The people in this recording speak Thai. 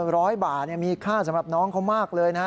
ร้อยบาทมีค่าสำหรับน้องเขามากเลยนะฮะ